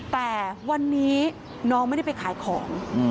แต่วันนี้น้องไม่ได้ไปขายของ